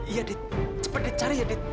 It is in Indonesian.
iya dit cepet dit cari ya dit